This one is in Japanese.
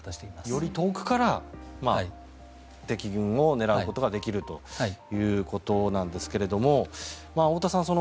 より遠くから敵軍を狙うことができるということなんですが太田さん